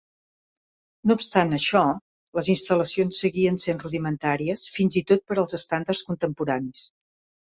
No obstant això, les instal·lacions seguien sent rudimentàries fins i tot per als estàndards contemporanis.